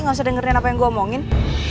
gak usah dengerin apa yang gue omongin